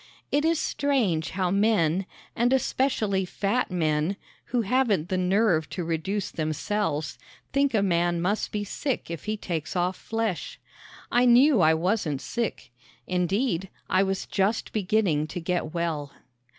It is strange how men, and especially fat men, who haven't the nerve to reduce themselves, think a man must be sick if he takes off flesh. I knew I wasn't sick. Indeed, I was just beginning to get well.